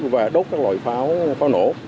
và đốt các loại pháo nổ